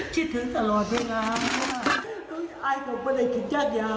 คิดถึงตลอดด้วยน่ะอ้าวอายก็ไม่ได้คิดจัดอย่าง